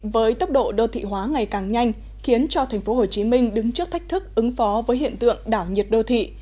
với tốc độ đô thị hóa ngày càng nhanh khiến cho tp hcm đứng trước thách thức ứng phó với hiện tượng đảo nhiệt đô thị